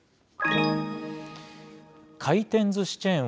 回転ずしチェーン